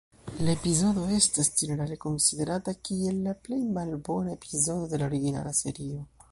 La epizodo estas ĝenerale konsiderata kiel la plej malbona epizodo de la originala serio.